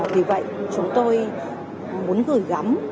vì vậy chúng tôi muốn gửi gắm